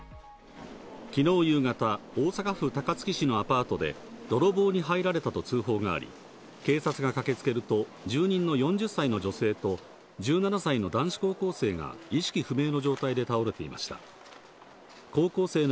昨日夕方、大阪府高槻市のアパートで泥棒に入られたと通報があり、警察が駆けつけると住人の４０歳の女性と１７歳の男子高校生が意識不明の状態で倒れていました。